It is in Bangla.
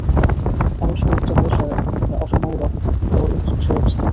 এমন সময় ভোজনশালায় অসময়ে বর আসিয়া উপস্থিত।